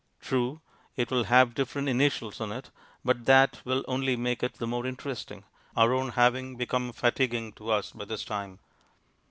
True, it will have different initials on it, but that will only make it the more interesting, our own having become fatiguing to us by this time.